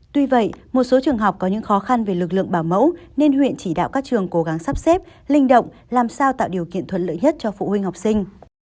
tuy vậy một số trường học có những khó khăn về lực lượng bảo mẫu nên huyện chỉ đạo các trường cố gắng sắp xếp linh động làm sao tạo điều kiện thuận lợi nhất cho phụ huynh học sinh